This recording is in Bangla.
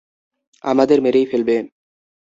আমাদের মেরেই ফেলবে।